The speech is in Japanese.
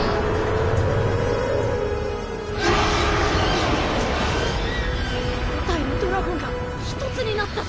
５体のドラゴンが１つになった。